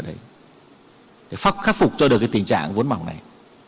để khắc phục cho được tình trạng vốn mỏng này